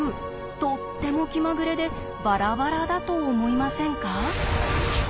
とっても気まぐれでバラバラだと思いませんか。